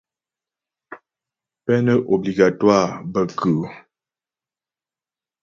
Peine obligatoire bə kʉ́ʉ́ ?